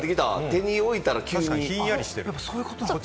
手に置いたら急にひんやりする。